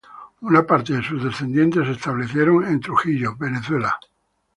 Una parte de sus descendientes se establecieron en Trujillo, Venezuela.